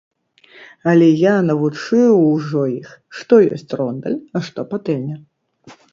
Але я навучыў ўжо іх, што ёсць рондаль, а што патэльня.